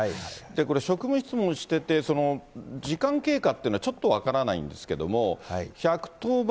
職務質問してて、その時間経過っていうのは、ちょっと分からないんですけども、１１０番